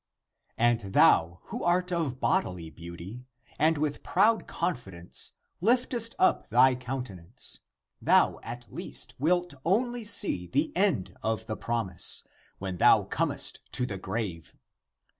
And thou who art of bodily beauty, and with proud confidence liftest up thy countenance, thou at least wilt only see the end of the promise, when thou comest to the grave.